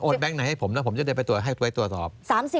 แบงค์ไหนให้ผมแล้วผมจะได้ไปตรวจให้ไปตรวจสอบ